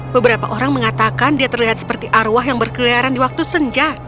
beberapa orang mengatakan dia terlihat seperti arwah yang berkeliaran di waktu senja